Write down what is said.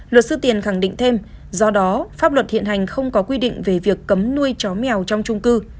luật sư tiền khẳng định thêm do đó pháp luật hiện hành không có quy định về việc cấm nuôi chó mèo trong trung cư